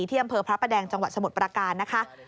อำเภอพระประแดงจังหวัดสมุทรประการนะคะ